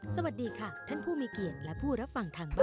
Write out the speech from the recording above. สวัสดีค่ะท่านผู้มีเกียรติและผู้รับฟังทางบ้าน